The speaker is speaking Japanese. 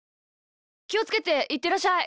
きをつけていってらっしゃい！